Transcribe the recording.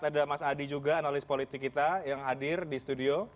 ada mas adi juga analis politik kita yang hadir di studio